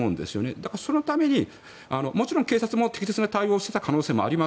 だから、そのためにもちろん警察も適切な対応をしていた可能性もあります。